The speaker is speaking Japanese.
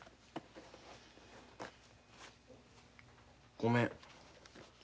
ごめん。